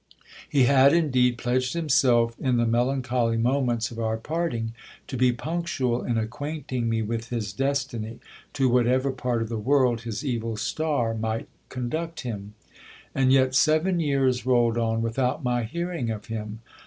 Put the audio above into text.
He had indeed pledged himself, in the melancholy moments of our parting, to be punctual in acquainting me with his destiny, to whatever part of the world his evil star might conduct him. And yet seven years rolled on without my hearing of him.